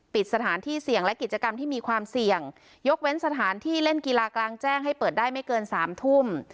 ปิดสถานที่เสี่ยงและกิจกรรมที่มีความเสี่ยงยกเว้นสถานที่เล่นกีฬากลางแจ้งให้เปิดได้ไม่เกิน๓ทุ่ม